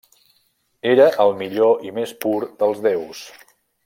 Era el millor i més pur dels déus.